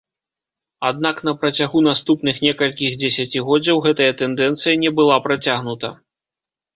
Аднак на працягу наступных некалькіх дзесяцігоддзяў гэтая тэндэнцыя не была працягнута.